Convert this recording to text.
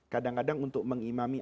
kadang kadang untuk mengimami